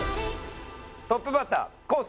トップバッター昴生。